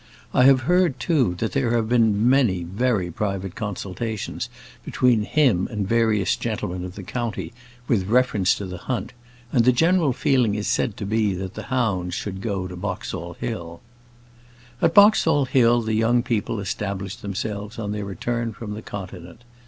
I have heard, too, that there have been many very private consultations between him and various gentlemen of the county, with reference to the hunt; and the general feeling is said to be that the hounds should go to Boxall Hill. At Boxall Hill the young people established themselves on their return from the Continent.